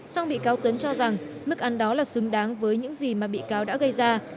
song bị cáo tuấn cho rằng mức án đó là xứng đáng với những gì mà bị cáo đã gây ra